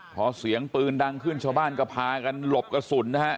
พอเสียงปืนดังขึ้นชาวบ้านก็พากันหลบกระสุนนะฮะ